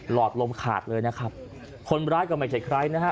อดลมขาดเลยนะครับคนร้ายก็ไม่ใช่ใครนะฮะ